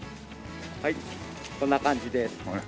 はいこんな感じです。